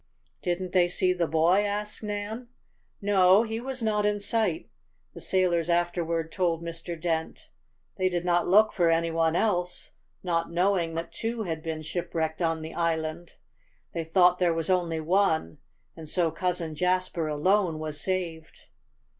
"Didn't they see the boy?" asked Nan. "No, he was not in sight, the sailors afterward told Mr. Dent. They did not look for any one else, not knowing that two had been shipwrecked on the island. They thought there was only one, and so Cousin Jasper alone was saved.